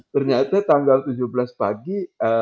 ternyata tanggal tujuh belas pagi